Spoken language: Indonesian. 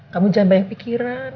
kamu jangan banyak pikiran